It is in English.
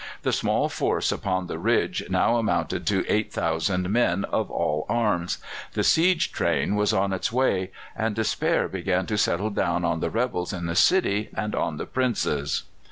The small force upon the ridge now amounted to 8,000 men of all arms; the siege train was on its way, and despair began to settle down on the rebels in the city and on the Princes.